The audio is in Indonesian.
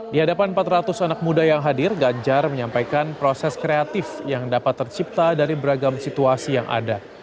di hadapan empat ratus anak muda yang hadir ganjar menyampaikan proses kreatif yang dapat tercipta dari beragam situasi yang ada